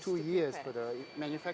dua tahun untuk memperbaikinya